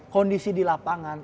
kondisi di lapangan